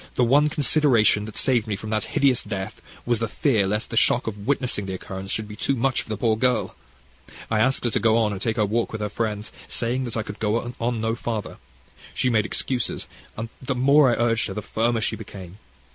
the one consideration that saved me from that hideous death was the fear lest the shock of witnessing the occurrence should be too much for the poor girl. I asked her to go on and walk with her friends, saying that I could go no further. She made excuses, and the more I urged her the firmer she became.